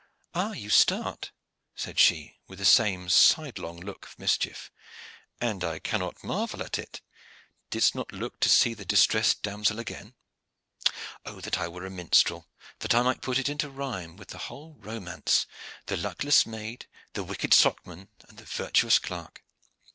"Ah, you start," said she, with the same sidelong look of mischief, "and I cannot marvel at it. Didst not look to see the distressed damosel again. Oh that I were a minstrel, that I might put it into rhyme, with the whole romance the luckless maid, the wicked socman, and the virtuous clerk!